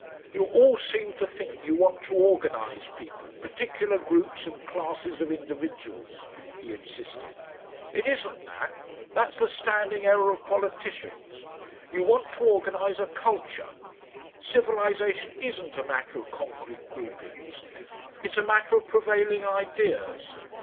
"You all seem to think you want to organise people, particular groups and classes of individuals," he insisted. "It isn't that. That's the standing error of politicians. You want to organise a culture. Civilisation isn't a matter of concrete groupings; it's a matter of prevailing ideas.